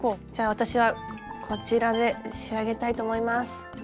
私はこちらで仕上げたいと思います。